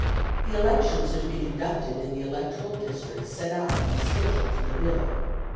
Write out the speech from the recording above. The elections are to be conducted in the electoral districts set out in the schedule to the Bill.